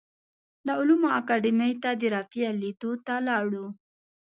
د علومو اکاډیمۍ ته د رفیع لیدو ته لاړو.